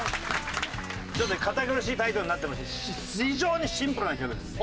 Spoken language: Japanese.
堅苦しいタイトルになってますが非常にシンプルな企画です。